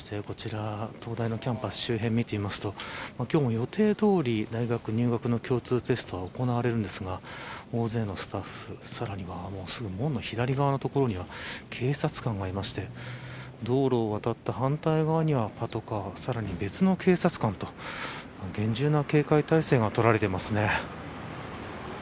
こちら、東大のキャンパス周辺を見てみますと今日も予定どおり大学入学の共通テストが行われるんですが大勢のスタッフさらには門のすぐ左側の所には警察官もいまして道路を渡った反対側にはパトカーさらに、別の警察官と厳重な警戒態勢が取られています。